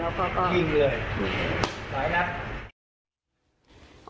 เขาก็พักผู้หญิงลงรถเกียว